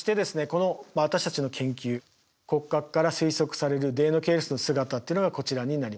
この私たちの研究骨格から推測されるデイノケイルスの姿っていうのがこちらになります。